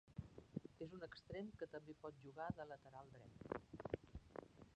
És un extrem que també pot jugar de lateral dret.